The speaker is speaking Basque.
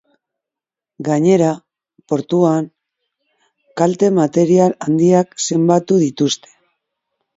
Gainera, portuan kalte material handiak zenbatu dituzte.